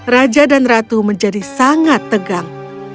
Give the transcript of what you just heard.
raja dan ratu menjadi sangat tegang